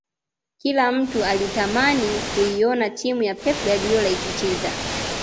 Kila mtu alitamani kuiona timu ya pep guardiola ikicheza